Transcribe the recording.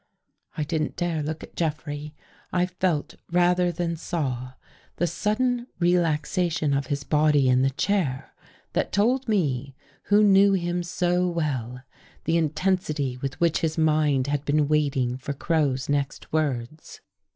I didn't dare look at Jeffrey. I felt, rather than saw, the sudden relaxation of his body in the chair, that told me, who knew him so well, the intensity with which his mind had been waiting for Crow's next words.